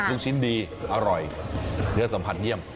ลูกชิ้นดีอร่อยเนื้อสัมผัสเยี่ยม